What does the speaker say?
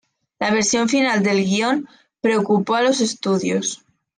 La versión final del guion preocupó a los estudios.